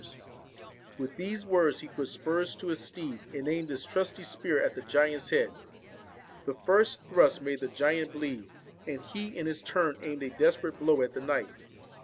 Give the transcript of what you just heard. ORSON With these words he put spurs to his steed, and aimed his trusty spear at the giant's head. The first thrust made the giant bleed, and he, in his turn, aimed a desperate blow at the knight.